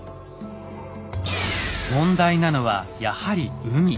問題なのはやはり海。